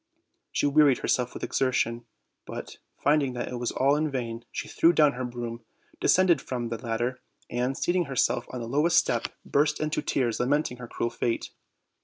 She wearied herself with exertion; but, finding that it was all in vain, she threw down her broom, descended from the ladder, and, seating herself on the lowest step, burst into tears lamenting her cruel fate.